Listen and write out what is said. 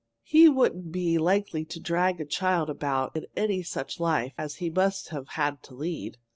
"He wouldn't be likely to drag a child about in any such life as he must have had to lead."